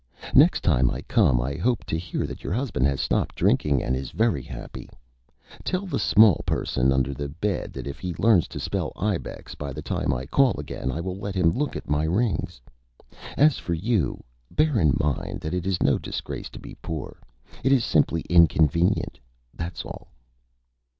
Next time I come I hope to hear that your Husband has stopped Drinking and is very Happy. Tell the Small Person under the Bed that if he learns to spell 'Ibex' by the time I call again I will let him look at my Rings. As for you, bear in mind that it is no Disgrace to be Poor; it is simply Inconvenient; that's all."